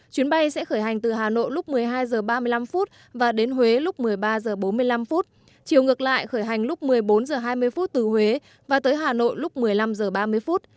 chuyến bay sẽ khởi hành từ hà nội lúc một mươi hai h ba mươi năm và đến huế lúc một mươi ba h bốn mươi năm chiều ngược lại khởi hành lúc một mươi bốn h hai mươi từ huế và tới hà nội lúc một mươi năm h ba mươi phút